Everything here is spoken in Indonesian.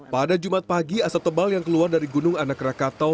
pada jumat pagi asap tebal yang keluar dari gunung anak rakatau